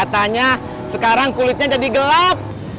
katanya sekarang kulitnya jadi gelap